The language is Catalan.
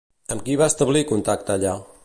Amb qui va establir contacte allà?